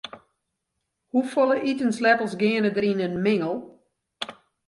Hoefolle itensleppels geane der yn in mingel?